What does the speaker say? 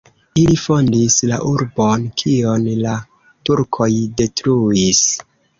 Ili fondis la urbon, kion la turkoj detruis.